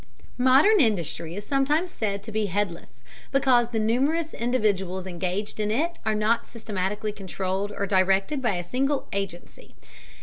Modern industry is sometimes said to be headless, because the numerous individuals engaged in it are not systematically controlled or directed by a single agency.